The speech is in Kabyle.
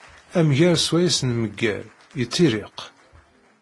Amger swayes nmegger, yettirriq.